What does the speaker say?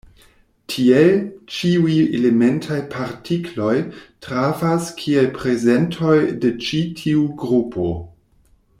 Tiel, ĉiuj elementaj partikloj trafas kiel prezentoj de ĉi tiu grupo.